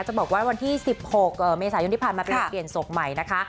จะบอกว่าวันที่๑๖เมษายนฤภัณฑ์มาเปลี่ยนสกใหม่นะคะ